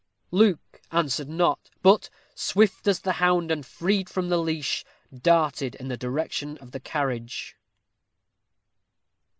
Luke answered not, but, swift as the hound freed from the leash, darted in the direction of the carriage.